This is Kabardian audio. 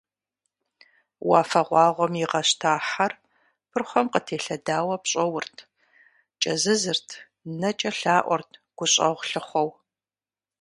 Уафэгъуаугъуэм игъэщта хьэр, пырхъуэм къытелъэдауэ пщӏоурт, кӏэзызырт, нэкӏэ лъаӏуэрт гущӏэгъу лъыхъуэу.